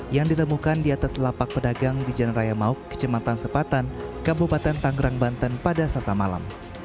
yang ditemukan di atas lapak pedagang di jalan raya mauk kecamatan sepatan kabupaten tangerang banten pada selasa malam